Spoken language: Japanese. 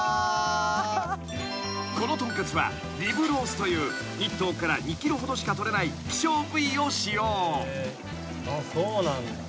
［この豚カツはリブロースという１頭から２ｋｇほどしか取れない希少部位を使用］